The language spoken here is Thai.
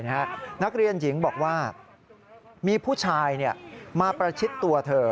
นักเรียนหญิงบอกว่ามีผู้ชายมาประชิดตัวเธอ